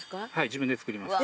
自分で作ります。